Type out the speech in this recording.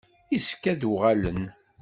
Yessefk ad d-uɣalen.